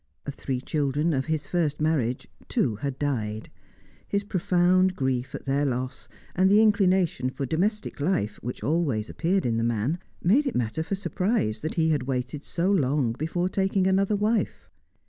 Of three children of his first marriage, two had died; his profound grief at their loss, and the inclination for domestic life which always appeared in the man, made it matter for surprise that he had waited so long before taking another wife.